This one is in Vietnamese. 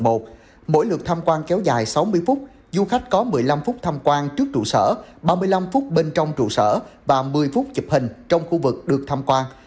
mỗi lượt tham quan kéo dài sáu mươi phút du khách có một mươi năm phút tham quan trước trụ sở ba mươi năm phút bên trong trụ sở và một mươi phút chụp hình trong khu vực được tham quan